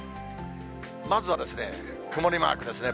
まずは曇りマークですね。